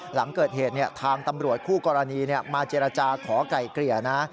หลังเกิดเหตุทางตำรวจคู่กรณีมาเจรจาขอไก่เกลี่ยนะ